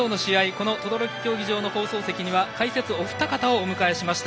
この等々力競技場の放送席は解説はお二方をお迎えしました。